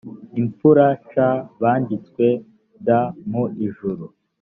imfura c banditswe d mu ijuru